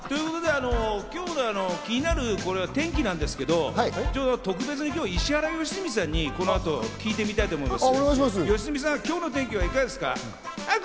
気になる天気なんですけど、特別に今日は石原良純さんにこの後、聞いてみたいと思います。